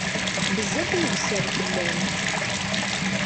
Bezzef i iwesser fell-am.